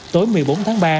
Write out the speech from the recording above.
tối một mươi bốn tháng ba